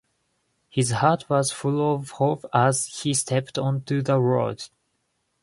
His heart was full of hope as he stepped onto the road.